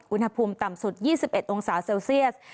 อุณหภูมิต่ำสุด๒๑องศาเซลเซียส